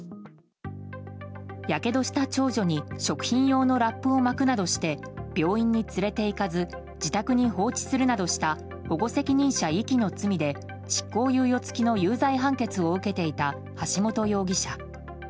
やけどした長女に食品用のラップを巻くなどして病院に連れていかず自宅に放置するなどした保護責任者遺棄の罪で執行猶予付きの有罪判決を受けていた橋本容疑者。